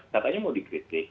katanya mau dikritik